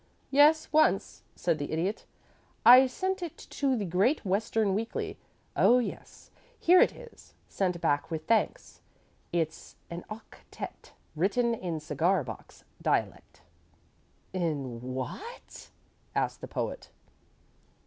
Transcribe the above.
"Yes; once," said the Idiot. "I sent it to the Great Western Weekly. Oh yes. Here it is. Sent back with thanks. It's an octette written in cigar box dialect." "In wh a at?" asked the Poet.